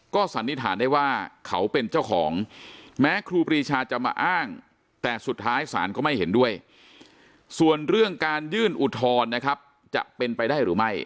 สันนิษฐานได้ว่าเขาเป็นเจ้าของแม้ครูปรีชาจะมาอ้างแต่สุดท้ายศาลก็ไม่เห็นด้วยส่วนเรื่องการยื่นอุทธรณ์นะครับจะเป็นไปได้หรือไม่